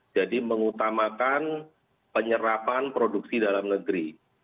jadi mengutamakan penyerapan produksi dalam negeri